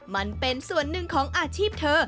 มันเป็นส่วนหนึ่งของอาชีพเธอ